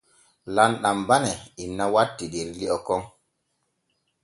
Lamɗam bane inna watti der li’o kon.